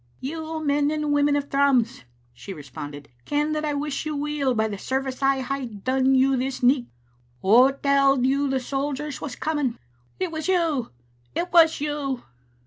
"You men and w'omen o' Thrums," she responded, " ken that I wish you weel by the service I hae done you this nicht. Wha telled you the sojers was com ing?" " It was you ; it was you